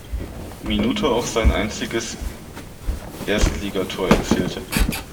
Minute auch sein einziges Erstligator erzielte.